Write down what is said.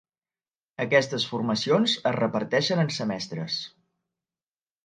Aquestes formacions es reparteixen en semestres.